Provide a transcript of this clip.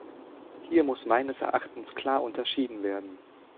Hier muss meines Erachtens klar unterschieden werden.